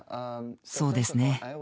そうですね。